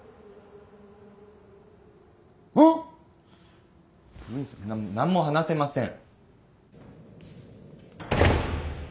んっ？何も話せません。